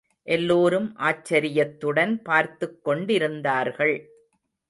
எல்லோரும் ஆச்சரியத்துடன் பார்த்துக் கொண்டிருந்தார்கள்.